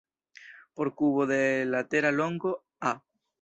Por kubo de latera longo "a",